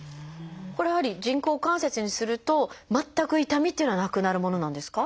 これやはり人工関節にすると全く痛みっていうのはなくなるものなんですか？